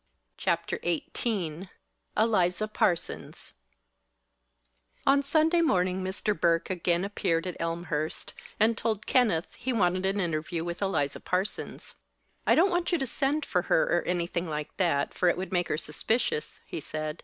CHAPTER XVIII ELIZA PARSONS On Sunday morning Mr. Burke again appeared at Elmhurst, and told Kenneth he wanted an interview with Eliza Parsons. "I don't want you to send for her, or anything like that, for it would make her suspicious," he said.